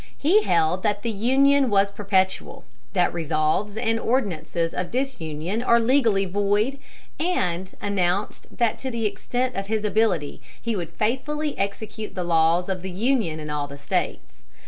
He held that the Union was perpetual; that resolves and ordinances of disunion are legally void; and announced that to the extent of his ability he would faithfully execute the laws of the Union in all the States.